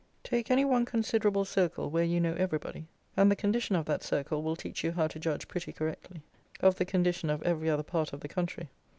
Take any one considerable circle where you know everybody, and the condition of that circle will teach you how to judge pretty correctly of the condition of every other part of the country.